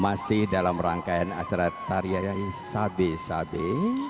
masih dalam rangkaian acara tarian sabe sabe